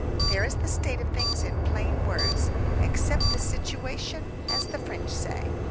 There is the state of things in plain words. Accept the situation—as the French say.